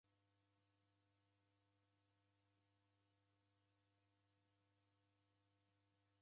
W'alimi w'aw'ekumba machi matutenyi na iparenyi